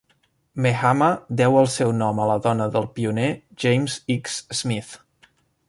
Mehama deu el seu nom a la dona del pioner James X. Smith.